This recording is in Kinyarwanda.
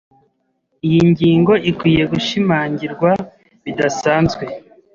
Iyi ngingo ikwiye gushimangirwa bidasanzwe.